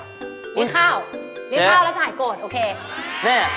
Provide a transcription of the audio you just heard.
เลี้ยงข้าวเลี้ยงข้าวแล้วถ่ายโกรธโอเค